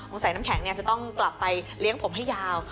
ใส่น้ำแข็งจะต้องกลับไปเลี้ยงผมให้ยาว